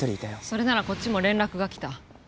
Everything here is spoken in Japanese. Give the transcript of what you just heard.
それならこっちも連絡が来た。